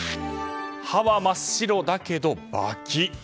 歯は真っ白だけどバキッ！